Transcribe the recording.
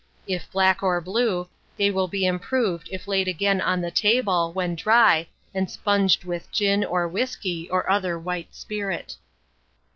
If black or blue, they will be improved if laid again on the table, when dry, and sponged with gin, or whiskey, or other white spirit.